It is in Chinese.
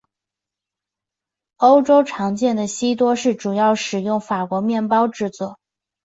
欧洲常见的西多士主要使用法国面包制作。